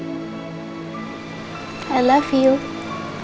kelihatan semuanya di luar negeri